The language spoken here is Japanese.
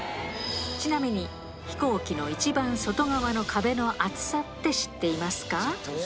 ちなみに飛行機の一番外側の壁の厚さって知っていますか？